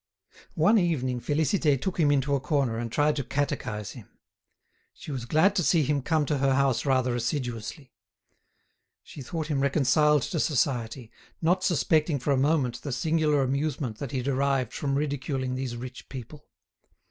One evening Félicité took him into a corner and tired to catechise him. She was glad to see him come to her house rather assiduously. She thought him reconciled to Society, not suspecting for a moment the singular amusement that he derived from ridiculing these rich people.